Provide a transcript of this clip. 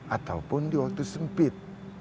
ataupun di waktu sempit